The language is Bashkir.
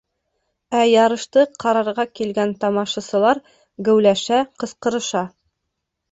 Ә ярышты ҡарарға килгән тамашасылар геүләшә, ҡысҡырыша: